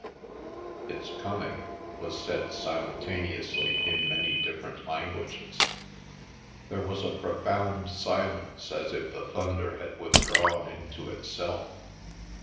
"It's coming!" was said simultaneously in many different languages. There was then a profound silence, as if the thunder had withdrawn into itself.